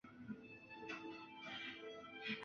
然而其基本原理已被公众广泛得知。